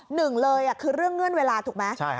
หนึ่งเลยคือเรื่องเงื่อนเวลาถูกไหม